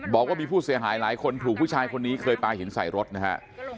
บอกว่ามีผู้เสียหายหลายคนถูกผู้ชายคนนี้เคยปลาหินใส่รถนะฮะ